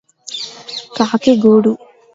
కాకి గూడు